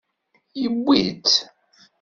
Yewwi-tt.